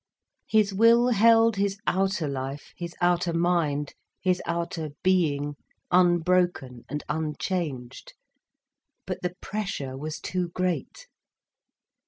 His will held his outer life, his outer mind, his outer being unbroken and unchanged. But the pressure was too great.